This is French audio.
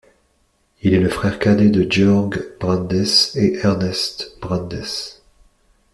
Il est le frère cadet de Georg Brandes et Ernst Brandes.